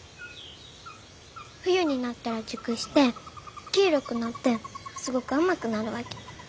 冬になったら熟して黄色くなってすごく甘くなるわけ。